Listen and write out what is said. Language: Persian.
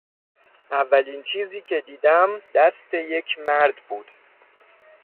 اولین چیزی که دیدم دست یک مرد بود.